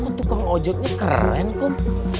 kok tukang ojeknya keren kum